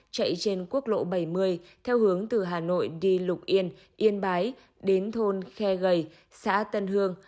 chạy trên quốc lộ bảy mươi theo hướng từ hà nội đi lục yên yên bái đến thôn khe gầy xã tân hương